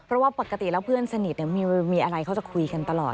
เพราะว่าปกติแล้วเพื่อนสนิทมีอะไรเขาจะคุยกันตลอด